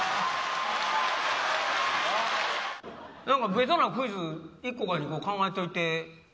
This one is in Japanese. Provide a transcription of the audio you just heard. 何かベタなクイズ、１個か２個考えといて。